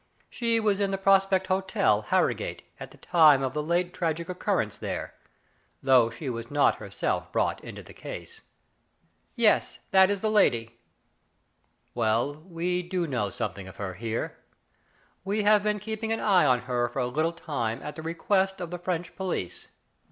She was in the Prospect Hotel, Harrogate, at the time of the late tragic occurrence there, though she was not herself brought into the case." Digitized by Google RICHARD BOWLING. 167 " Yes, that is the lady." "Well, we do know something of her here. We have been keeping an eye on her for a little time at the request of the French police.